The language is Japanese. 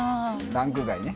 ランク外ね。